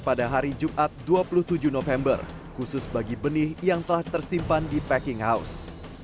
pada hari jumat dua puluh tujuh november khusus bagi benih yang telah tersimpan di packing house